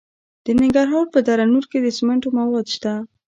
د ننګرهار په دره نور کې د سمنټو مواد شته.